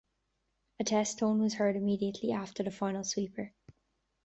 A test tone was heard immediately after the final sweeper.